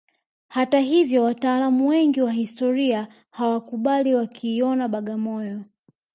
Hata hivyo wataalamu wengi wa historia hawakubali wakiiona Bagamoyo